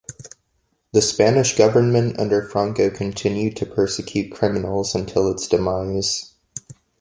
The Spanish government under Franco continued to persecute "criminals" until its demise.